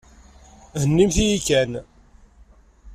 Hennimt-yi kan.